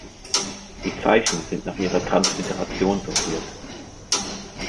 Die Zeichen sind nach ihrer Transliteration sortiert.